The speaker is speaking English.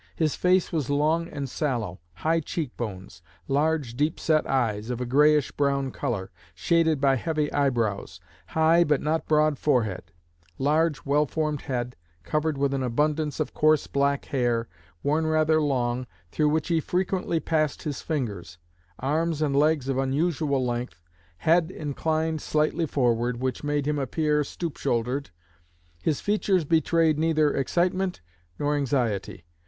His face was long and sallow; high cheek bones; large, deep set eyes, of a grayish brown color, shaded by heavy eyebrows; high but not broad forehead; large, well formed head, covered with an abundance of coarse black hair, worn rather long, through which he frequently passed his fingers; arms and legs of unusual length; head inclined slightly forward, which made him appear stoop shouldered. His features betrayed neither excitement nor anxiety.